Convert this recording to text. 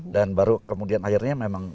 dan baru kemudian akhirnya memang